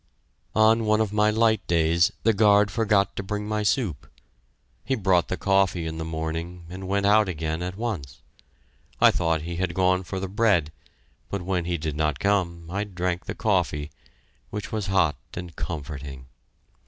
On one of my light days the guard forgot to bring my soup. He brought the coffee in the morning, and went out again at once. I thought he had gone for the bread, but when he did not come, I drank the coffee which was hot and comforting.